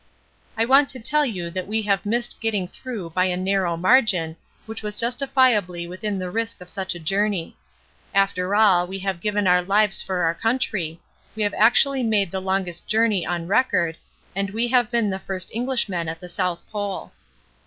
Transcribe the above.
... I want to tell you that we have missed getting through by a narrow margin which was justifiably within the risk of such a journey ... After all, we have given our lives for our country we have actually made the longest journey on record, and we have been the first Englishmen at the South Pole.